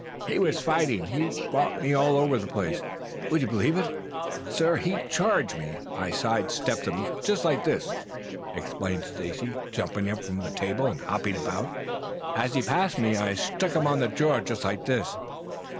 "He was fighting. He fought me all over the place. Would you believe it, sir, he charged me. I sidestepped just like this," explained Stacy, jumping up from the table and hopping about. "As he passed me I struck him on the jaw just like this."